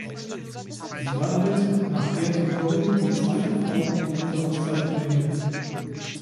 Sie war damit nach Gerty Cori die zweite Frau, die diese Auszeichnung erhielt.